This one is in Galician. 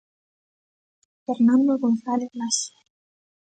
Fernando González Laxe.